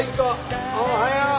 おはよう！